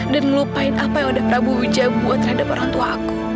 dan ngelupain apa yang ada prabu wijaya buat terhadap orang tua aku